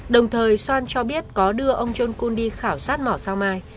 đồng thời soan cho biết có đưa ông john kun đi khảo sát mỏ sao mai